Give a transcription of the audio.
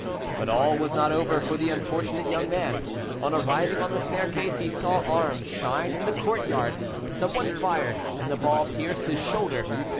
But all was not over for the unfortunate young man. On arriving on the staircase, he saw arms shine in the courtyard; some one fired, and the ball pierced his shoulder.